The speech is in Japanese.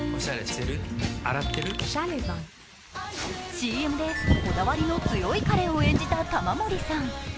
ＣＭでこだわりの強いカレを演じた玉森さん。